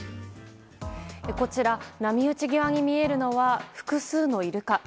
こちら、波打ち際に見えるのは複数のイルカ。